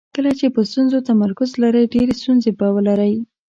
کله چې په ستونزو تمرکز لرئ ډېرې ستونزې به ولرئ.